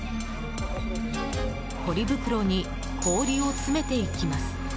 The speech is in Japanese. ポリ袋に氷を詰めていきます。